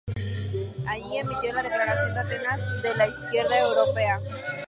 Allí se emitió la Declaración de Atenas de la Izquierda Europea.